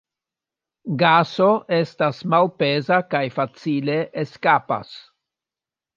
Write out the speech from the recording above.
Gaso estas malpeza kaj facile eskapas.